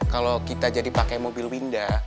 kalau kita jadi pakai mobil winda